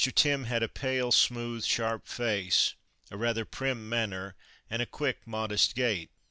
Timm had a pale, smooth, sharp face, a rather prim manner, and a quick, modest gait.